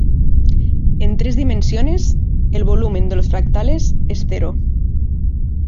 En tres dimensiones, el volumen de los fractales es cero.